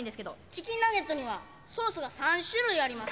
チキンナゲットにはソースが３種類あります。